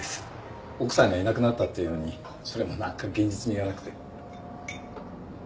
奥さんがいなくなったっていうのにそれも何か現実味がなくて。